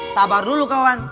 sabar dulu kawan